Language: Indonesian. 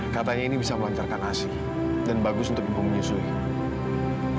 katanya ini bisa melancarkan asi dan bagus untuk ibu menyusuinya